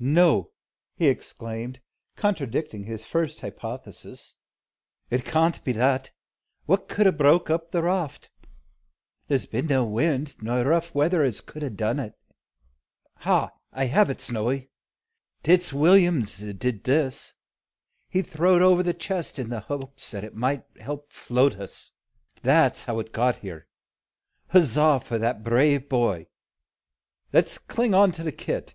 "No!" he exclaimed, contradicting his first hypothesis, "It can't be that. What could 'a broke up the raft? There 's been no wind, nor rough weather, as could 'a done it. Ha! I have it, Snowy. It's Will'm 's did this. He's throwed over the chest in the behopes it might help float us. That's how it's got here. Huzza for that brave boy! Let's cling on to the kit.